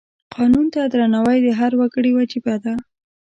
قانون ته درناوی د هر وګړي وجیبه ده.